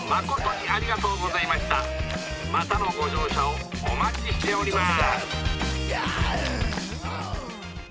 またのご乗車をお待ちしております」。